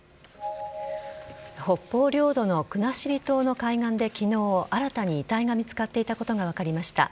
北方領土の国後島の海岸で昨日新たに遺体が見つかっていたことが分かりました。